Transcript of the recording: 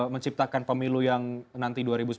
menciptakan pemilu yang nanti dua ribu sembilan belas